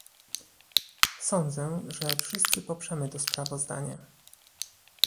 Sądzę, że wszyscy poprzemy to sprawozdanie